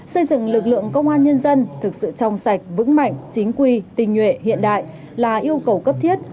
xây dựng lực lượng công an nhân dân thực sự trong sạch vững mạnh chính quy tình nhuệ hiện đại là yêu cầu cấp thiết